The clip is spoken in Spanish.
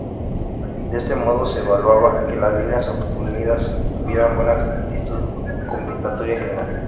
De este modo se evaluaba que las líneas obtenidas tuvieran buena aptitud combinatoria general.